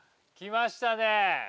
きましたね！